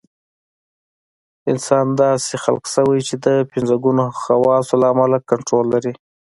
انسان داسې خلق شوی چې د پنځه ګونو حواسو له امله کنټرول لري.